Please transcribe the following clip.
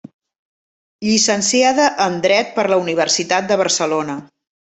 Llicenciada en dret per la Universitat de Barcelona.